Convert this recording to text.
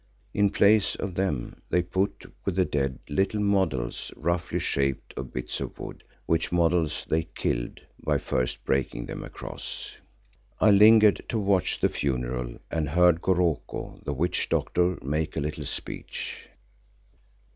In place of them they put with the dead little models roughly shaped of bits of wood, which models they "killed" by first breaking them across. I lingered to watch the funeral and heard Goroko, the witch doctor, make a little speech.